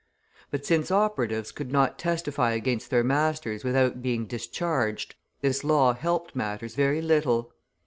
But since operatives could not testify against their masters without being discharged, this law helped matters very little.